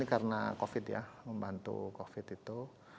karena covid ya membantu covid itu